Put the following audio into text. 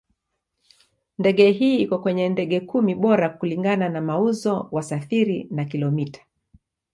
Ndege hii iko kwenye ndege kumi bora kulingana na mauzo, wasafiri na kilomita.